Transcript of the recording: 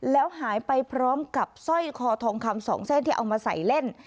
แล้วหายไปพร้อมกับสร้อยคอทองคำ๒เส้นที่เอามาใส่เล่น